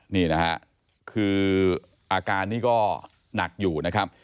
นี่นะฮะคืออาการนี้ก็หนักอยู่นะครับ